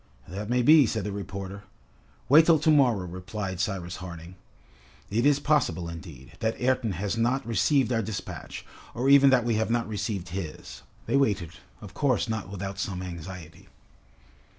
"That may be," said the reporter. "Wait till to morrow," replied Cyrus Harding. "It is possible, indeed, that Ayrton has not received our despatch, or even that we have not received his." They waited, of course not without some anxiety.